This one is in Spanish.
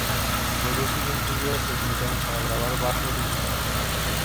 Los dos siguientes días se utilizaron para grabar bajos y guitarras.